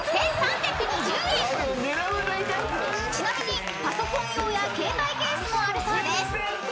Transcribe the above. ［ちなみにパソコン用や携帯ケースもあるそうです］